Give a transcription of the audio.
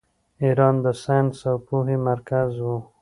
ایران د ساینس او پوهې مرکز و.